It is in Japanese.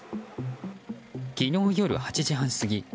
昨日夜８時半過ぎ